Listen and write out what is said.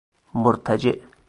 مرتجع